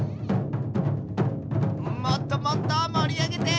もっともっともりあげて！